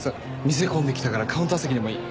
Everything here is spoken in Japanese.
店混んできたからカウンター席でもいい？